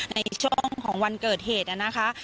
ในช่วงของวันเกิดเหตุนะคะ